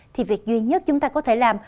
thì việc duy nhất chúng ta có thể làm